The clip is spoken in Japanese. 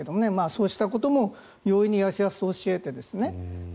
そうしたことも容易にやすやすと教えてですね